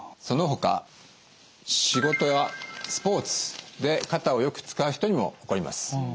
そのほか仕事やスポーツで肩をよく使う人にも起こります。